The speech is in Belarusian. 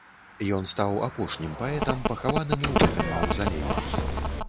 Ён стаў апошнім паэтам, пахаваным у гэтым маўзалеі.